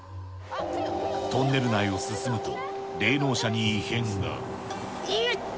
トンネル内を進むと霊能者に異変が。